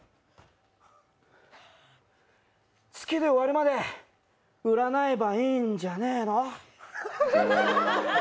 好きで終わるまで占えばいいんじゃないの？